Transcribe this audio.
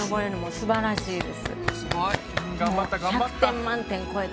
すばらしいです。